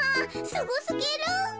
すごすぎる。